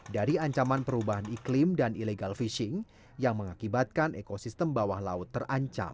dari ancaman perubahan iklim dan illegal fishing yang mengakibatkan ekosistem bawah laut terancam